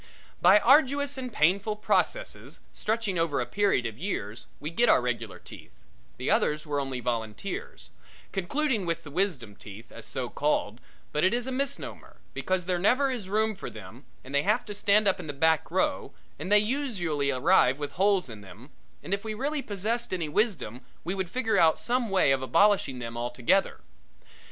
By arduous and painful processes, stretching over a period of years, we get our regular teeth the others were only volunteers concluding with the wisdom teeth, as so called, but it is a misnomer, because there never is room for them and they have to stand up in the back row and they usually arrive with holes in them, and if we really possessed any wisdom we would figure out some way of abolishing them altogether.